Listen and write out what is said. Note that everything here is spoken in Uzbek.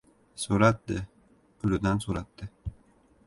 — So‘ratdi, ulidan so‘ratdi.